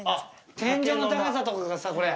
天井の高さとかがさこれ。